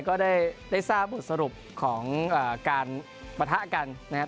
ก็ได้ทราบบทสรุปของการปะทะกันนะครับ